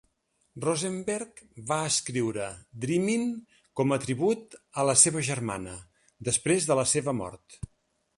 Rosenberg va escriure "Dreamin" com a tribut a la seva germana, després de la seva mort.